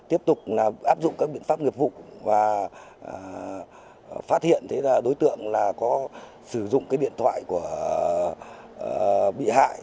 tiếp tục áp dụng các biện pháp nghiệp vụ và phát hiện đối tượng có sử dụng điện thoại của bị hại